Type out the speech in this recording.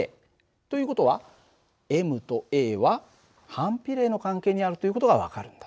という事はｍとａは反比例の関係にあるという事が分かるんだ。